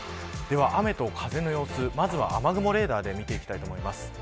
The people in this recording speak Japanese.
雨と風の様子、まずは雨雲レーダーで見ていきます。